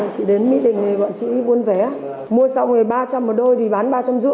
hôm nay chị đến mỹ đình thì bọn chị buôn vé mua xong rồi ba trăm linh một đôi thì bán ba trăm năm mươi